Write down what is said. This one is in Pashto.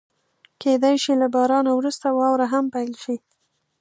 کېدای شي له بارانه وروسته واوره هم پيل شي.